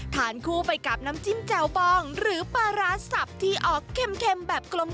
ทานคู่ไปกับน้ำจิ้มแจ่วบองหรือปลาร้าสับที่ออกเค็มแบบกลม